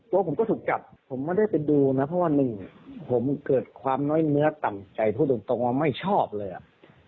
ผมก็ถูกจับผมไม่ได้ไปดูนะเพราะว่าหนึ่งผมเกิดความน้อยเนื้อต่ำใจพูดตรงว่าไม่ชอบเลยอ่ะ